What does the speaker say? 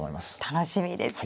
楽しみです。